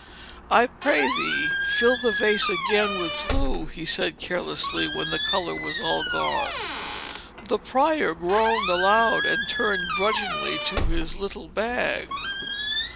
'I pray thee fill the vase again with blue,' he said carelessly when the colour was all gone. The prior groaned aloud, and turned grudgingly to his little bag.